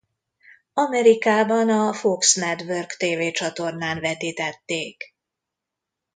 Amerikában a Fox Network tévécsatornán vetítették.